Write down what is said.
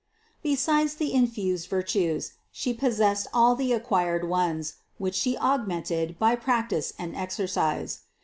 Besides the infused virtues, She possessed all the acquired ones, which She augmented by practice and exercise.